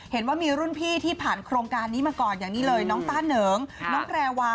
เห็นว่ามีรุ่นพี่ที่ผ่านโครงการนี้มาก่อนอย่างนี้เลยน้องต้าเหนิงน้องแพรวา